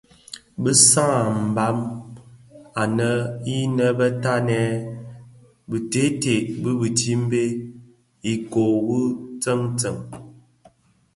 Bi sans an a mbam anèn innë bè tatnèn bi teted bi bitimbè ikoo wu tsuňtsuň.